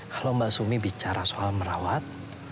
kalau mbak sumi bicara soal merawat